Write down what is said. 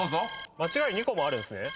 間違い２個もあるんですね。